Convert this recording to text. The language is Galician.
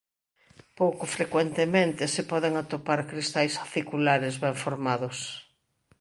Pouco frecuentemente se poden atopar cristais aciculares ben formados.